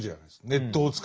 ネットを使って。